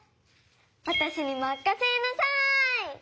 わたしにまかせなさい。